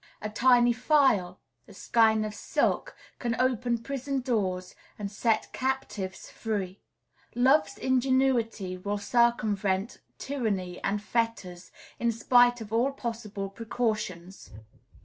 A tiny file, a skein of silk, can open prison doors and set captives free; love's ingenuity will circumvent tyranny and fetters, in spite of all possible precautions.